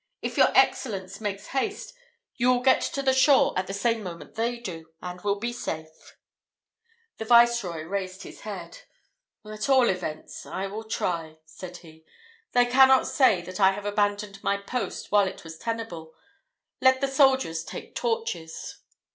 If your Excellence makes haste, you will get to the shore at the same moment they do, and will be safe." The viceroy raised his head. "At all events I will try," said he: "they cannot say that I have abandoned my post while it was tenable. Let the soldiers take torches."